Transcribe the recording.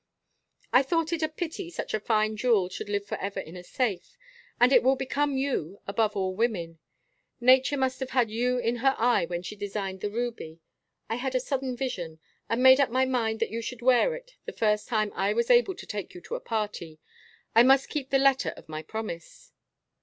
"I thought it a pity such a fine jewel should live forever in a safe; and it will become you above all women. Nature must have had you in her eye when she designed the ruby. I had a sudden vision ... and made up my mind that you should wear it the first time I was able to take you to a party. I must keep the letter of my promise."